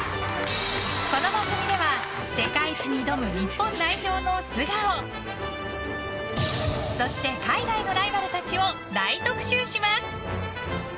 この番組では世界一に挑む日本代表の素顔そして海外のライバルたちを大特集します。